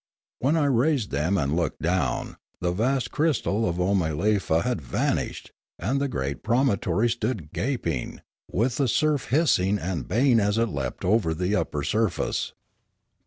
When I raised them and looked down, the vast crystal of Oomalefa had vanished and the great promontory stood gaping, with the surf hiss ing and baying as it leapt over the upper surface.